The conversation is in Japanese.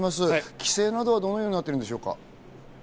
規制などはどうなっているんでしょうか？